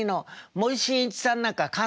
森進一さんなんか簡単よ。